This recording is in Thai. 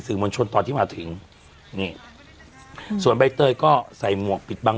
มวลชนตอนที่มาถึงนี่ส่วนใบเตยก็ใส่หมวกปิดบัง